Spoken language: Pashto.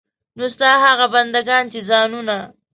نو ستا هغه بندګان چې ځانونه.